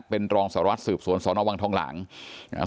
เป็นรองสารวัตรสืบสวนสอนอวังทองหลางอ่า